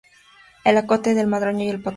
El ocote, el madroño y el capulín.